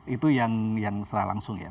itu yang setelah langsung ya